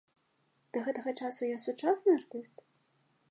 Да гэтага часу я сучасны артыст?